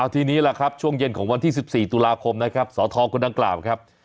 ทีนี้ล่ะครับช่วงเย็นของวันที่๑๔ตุลาคมนะครับสทคนดังกล่าวครับ